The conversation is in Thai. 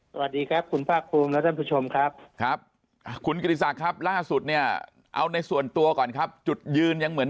สวัสดีครับคุณภาคภูมิและท่านผู้ชมครับครับคุณกิติศักดิ์ครับล่าสุดเนี่ยเอาในส่วนตัวก่อนครับจุดยืนยังเหมือน